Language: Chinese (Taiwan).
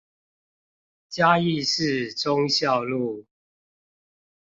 嘉義市忠孝路